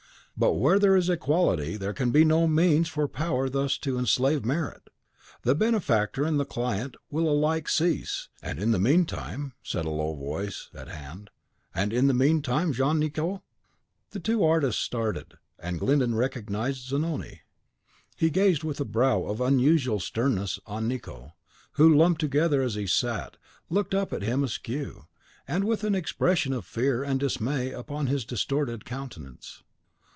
But where there is equality there can be no means for power thus to enslave merit. The benefactor and the client will alike cease, and " "And in the mean time," said a low voice, at hand, "in the mean time, Jean Nicot?" The two artists started, and Glyndon recognised Zanoni. He gazed with a brow of unusual sternness on Nicot, who, lumped together as he sat, looked up at him askew, and with an expression of fear and dismay upon his distorted countenance.